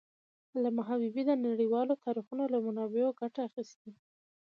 علامه حبيبي د نړیوالو تاریخونو له منابعو ګټه اخېستې ده.